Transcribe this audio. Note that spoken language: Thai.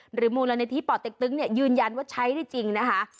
หรือมูลนิธิป่อเต็กตึ๊งเนี่ยยืนยันว่าใช้ได้จริงนะคะ